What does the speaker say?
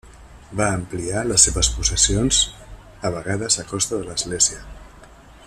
Va ampliar les seves possessions a vegades a costa de l'Església.